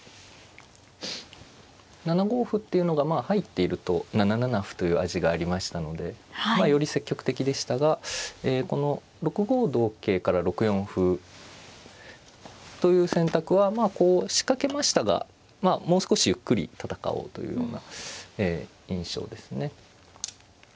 ７五歩っていうのが入っていると７七歩という味がありましたのでより積極的でしたがこの６五同桂から６四歩という選択はまあこう仕掛けましたがもう少しゆっくり戦おうというような印象ですね。